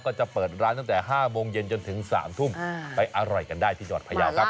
ก็จะเปิดร้านตั้งแต่๕โมงเย็นจนถึง๓ทุ่มไปอร่อยกันได้ที่จังหวัดพยาวครับ